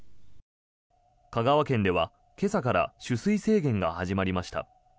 香川県では今朝から取水制限が始まりました。